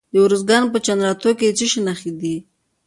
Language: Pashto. د ارزګان په چنارتو کې د څه شي نښې دي؟